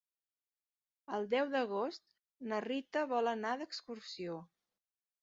El deu d'agost na Rita vol anar d'excursió.